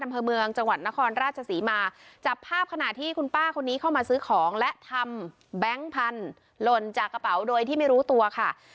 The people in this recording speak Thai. อำเภอเมืองจังหวัดนครราชศรีมาจับภาพขณะที่คุณป้าคนนี้เข้ามาซื้อของและทำแบงค์พันธุ์หล่นจากกระเป๋าโดยที่ไม่รู้ตัวค่ะ